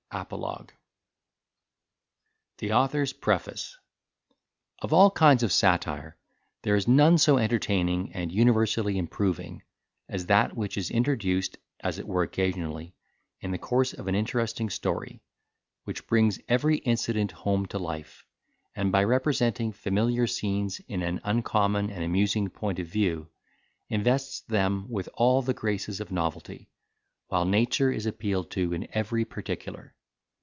CHAPTER LXIX. THE AUTHOR'S PREFACE Of all kinds of satire, there is none so entertaining and universally improving, as that which is introduced, as it were occasionally, in the course of an interesting story, which brings every incident home to life, and by representing familiar scenes in an uncommon and amusing point of view, invests them with all the graces of novelty, while nature is appealed to in every particular.